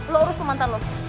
lo rus ke mantan lo